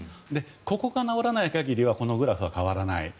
ここが直らない限りはこのグラフは変わらない。